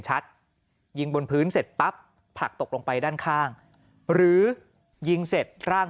ยิงบนพื้นเสร็จปั๊บผลักตกลงไปด้านข้างหรือยิงเสร็จร่าง